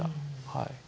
はい。